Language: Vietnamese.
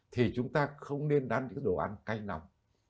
thì chúng ta không nên bán những cái đồ ăn cay nóng